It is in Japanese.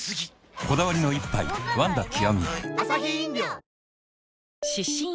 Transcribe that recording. こだわりの一杯「ワンダ極」